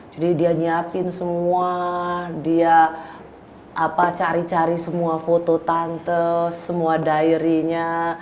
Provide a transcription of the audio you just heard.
jadi dia nyiapin semua dia cari cari semua foto tante semua diary nya